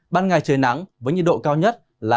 ban ngày trời nắng với nhiệt độ cao nhất là